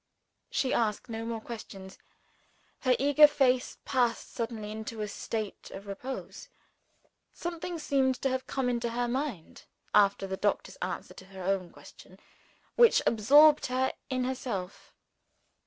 She asked no more questions; her eager face passed suddenly into a state of repose. Something seemed to have come into her mind after the doctor's answer to her own question which absorbed her in herself.